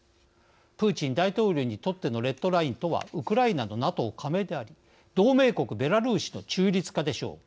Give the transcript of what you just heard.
プーチン大統領にとってのレッドラインとはウクライナのＮＡＴＯ加盟であり同盟国ベラルーシの中立化でしょう。